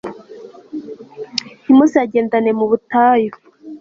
ntimuzagendane mu butayu